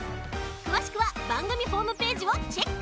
くわしくはばんぐみホームページをチェック！